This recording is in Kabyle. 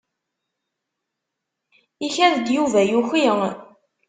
Ikad-d Yuba yuki.